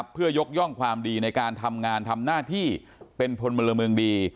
เพื่อยกย่องความดีในการทำงานทำหน้าที่เป็นพลเมืองดี